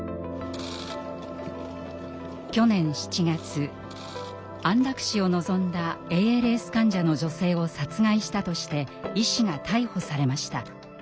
去年７月安楽死を望んだＡＬＳ患者の女性を殺害したとして医師が逮捕されました。